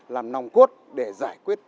làm nòng cốt để giải quyết